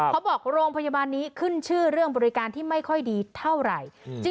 บอกโรงพยาบาลนี้ขึ้นชื่อเรื่องบริการที่ไม่ค่อยดีเท่าไหร่